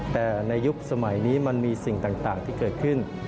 แต่ในยุคสมัยนี้มันมีสิ่งต่างที่เกิดขึ้น